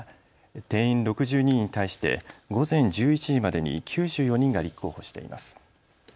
定員６２人に対して午前１１時までに９４人が立候補しています。